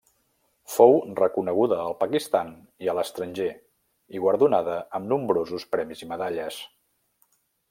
Fou reconeguda al Pakistan i a l'estranger i guardonada amb nombrosos premis i medalles.